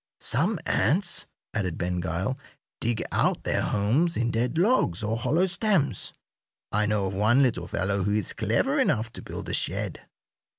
] "Some ants," added Ben Gile, "dig out their homes in dead logs or hollow stems. I know of one little fellow who is clever enough to build a shed.